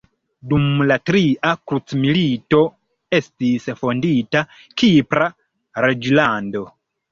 Dum la tria krucmilito estis fondita Kipra reĝlando.